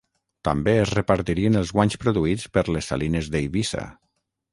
També es repartirien els guanys produïts per les salines d'Eivissa.